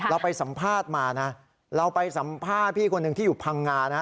เราไปสัมภาษณ์มานะเราไปสัมภาษณ์พี่คนหนึ่งที่อยู่พังงานะ